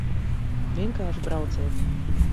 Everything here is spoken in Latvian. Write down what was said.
Vienkārši brauciet!